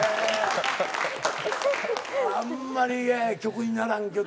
あんまり曲にならんけど。